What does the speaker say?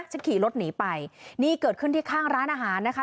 ขี่รถหนีไปนี่เกิดขึ้นที่ข้างร้านอาหารนะคะ